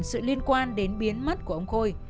sự liên quan đến biến mất của ông khôi